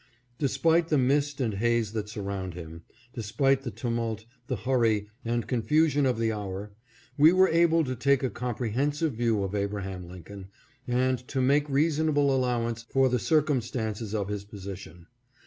Despite the mist and haze that surround him ; despite the tumult, the hurry, and confusion of the hour, we were able to take a comprehensive view of Abraham Lincoln, and to make reasonable allowance for the circumstances of his position.